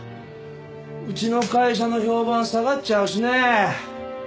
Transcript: うちの会社の評判下がっちゃうしねえ。